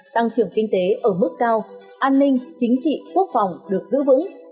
tăng trưởng kinh tế ở mức cao an ninh chính trị quốc phòng được giữ vững